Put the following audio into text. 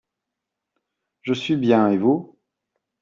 Je suis bien, et vous ?